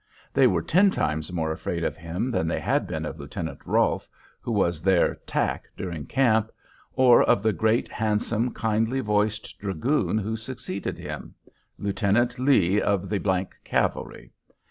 They were ten times more afraid of him than they had been of Lieutenant Rolfe, who was their "tack" during camp, or of the great, handsome, kindly voiced dragoon who succeeded him, Lieutenant Lee, of the th Cavalry.